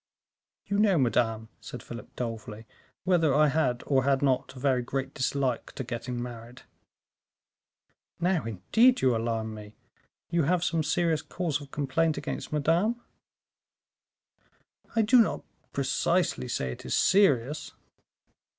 "You know, madame," said Philip, dolefully, "whether I had or had not a very great dislike to getting married." "Now, indeed, you alarm me. You have some serious cause of complaint against Madame." "I do not precisely say it is serious."